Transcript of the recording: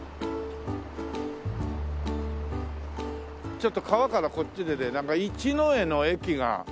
ちょっと川からこっち出てなんか一之江の駅が。